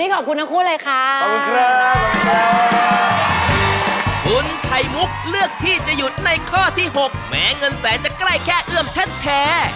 คุณไขมุกเลือกที่จะหยุดในข้อที่๖แม้เงินแสจะใกล้แค่เอื้อมแท่